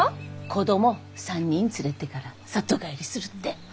子供３人連れてから里帰りするって。